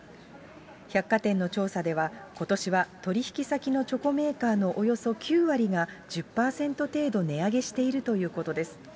百貨店の調査では、ことしは取り引き先のチョコメーカーのおよそ９割が、１０％程度値上げしているということです。